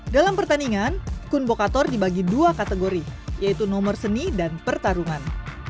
dalam pertandingan kun bokator dibagi dua kategori yaitu nomor seni dan pertarungan